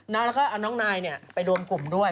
นะแล้วก็น้องนายเนี่ยไปรวมกลุ่มด้วย